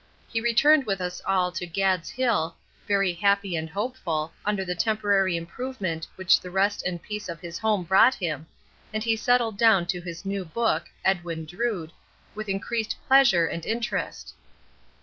He returned with us all to "Gad's Hill," very happy and hopeful, under the temporary improvement which the rest and peace of his home brought him, and he settled down to his new book, "Edwin Drood," with increased pleasure and interest.